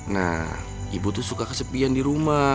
nah ibu tuh suka kesepian di rumah